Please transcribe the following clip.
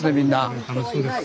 うん楽しそうです。